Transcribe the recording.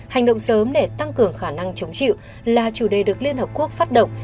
hành động sớm để tăng cường khả năng chống chịu là chủ đề được liên hợp quốc phát động